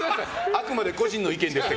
あくまで個人の意見ですって。